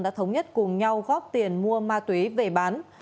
đã thống nhất cùng nhau góp tiền mua ma túy về bán